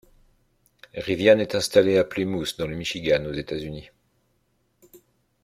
Rivian est installé à Plymouth dans le Michigan, aux États-Unis.